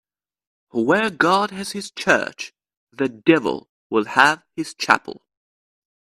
Where God has his church, the devil will have his chapel.